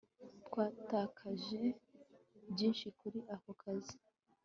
twatakaje byinshi kuri ako kazi